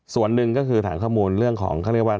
ส่วนหนึ่งก็คือฐานข้อมูลเรื่องของเขาเรียกว่า